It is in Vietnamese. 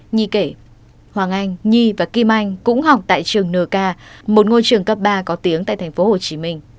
nhi kể hoàng anh nhi và kim anh cũng học tại trường nk một ngôi trường cấp ba có tiếng tại tp hcm